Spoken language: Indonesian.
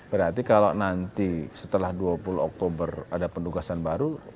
berarti kalau nanti setelah dua puluh oktober ada penugasan baru